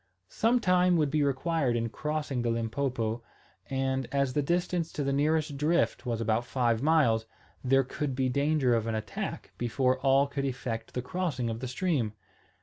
Some time would be required in crossing the Limpopo, and, as the distance to the nearest drift was about five miles, there could be danger of an attack before all could effect the crossing of the stream.